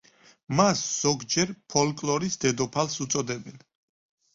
მას ზოგჯერ „ფოლკლორის დედოფალს“ უწოდებენ.